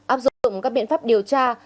áp dụng các biện pháp điều tra